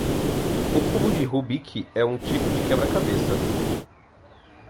Um cubo de rubik é um tipo de quebra-cabeça.